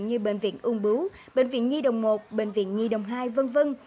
như bệnh viện ung bứu bệnh viện nhi đồng một bệnh viện nhi đồng hai v v